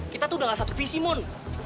kita tuh udah nggak satu visi mon